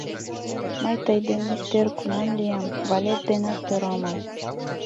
— Мый тый денет тӧр кунам лиям, валет денат тӧр омыл.